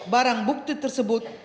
barang bukti tersebut